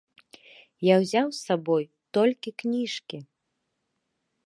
Я ўзяў з сабой толькі кніжкі.